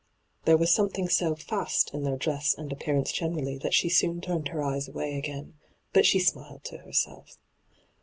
There was something so ' fast ' in their dress and appearance generally that she soon turned her eyes away again. But she smiled to herself.